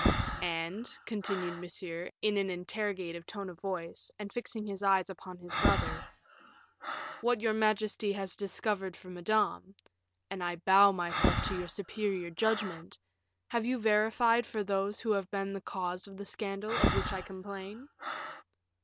"And," continued Monsieur, in an interrogative tone of voice, and fixing his eyes upon his brother, "what your majesty has discovered for Madame and I bow myself to your superior judgment have you verified for those who have been the cause of the scandal of which I complain?"